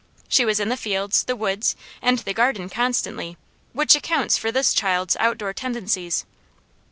She was in the fields, the woods, and the garden constantly, which accounts for this child's outdoor tendencies.